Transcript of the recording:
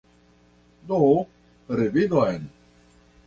Do, revidon!